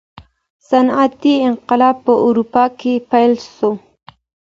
صنعتي انقلاب په اروپا کي پیل سو.